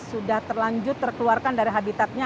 sudah terlanjur terkeluarkan dari habitatnya